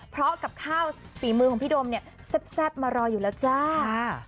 เพราะกับข้าวฝีมือของพี่โดมเนี่ยแซ่บมารออยู่แล้วจ้า